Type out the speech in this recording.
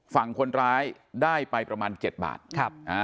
ฝั่งคนร้ายได้ไปประมาณ๗บาท